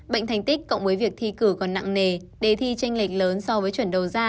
bệnh thành tích cộng với việc thi cử còn nặng nề đề thi tranh lệch lớn so với chuẩn đầu ra